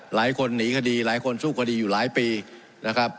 หลายคนหนีคดีหลายคนสู้คดีอยู่หลายปีนะครับ